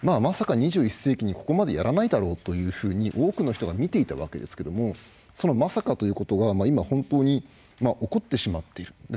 まさか２１世紀にここまでやらないだろうというふうに多くの人がみていたわけですけどもそのまさかということが今本当に起こってしまっている。